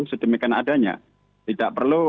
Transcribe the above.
sedemikian adanya tidak perlu